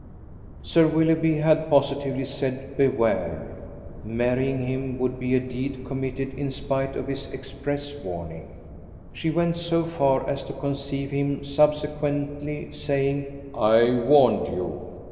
Sir Willoughby had positively said beware! Marrying him would be a deed committed in spite of his express warning. She went so far as to conceive him subsequently saying: "I warned you."